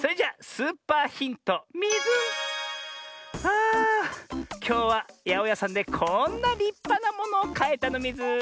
あきょうはやおやさんでこんなりっぱなものをかえたのミズ。